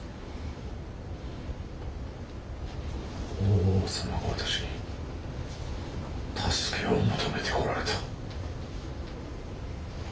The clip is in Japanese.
法皇様が私に助けを求めてこられた。